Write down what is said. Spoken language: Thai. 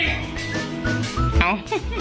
เอา